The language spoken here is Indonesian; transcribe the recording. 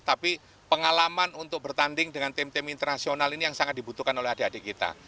tapi pengalaman untuk bertanding dengan tim tim internasional ini yang sangat dibutuhkan oleh adik adik kita